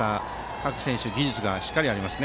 各選手、技術がしっかりあります。